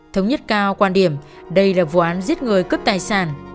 thống nhất cao quan điểm đây là vụ án giết người cướp tài sản